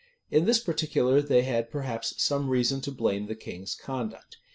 [*] In this particular they had, perhaps, some reason to blame the king's conduct.